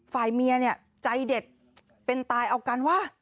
ฝ่ายเมียเนี่ยใจเด็ดเป็นตายเอากันว่า